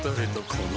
この